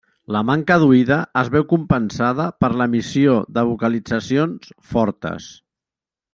La manca d'oïda es veu compensada per l'emissió de vocalitzacions fortes.